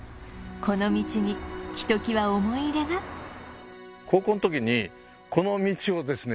この道にひときわ思い入れが高校の時にこの道をですね